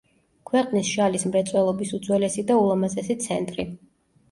ქვეყნის შალის მრეწველობის უძველესი და ულამაზესი ცენტრი.